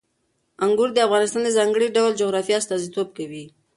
انګور د افغانستان د ځانګړي ډول جغرافیه استازیتوب کوي.